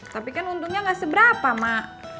tapi kan untungnya nggak seberapa mak